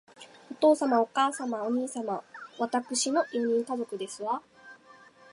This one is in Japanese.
お父様、お母様、お兄様、わたくしの四人家族ですわ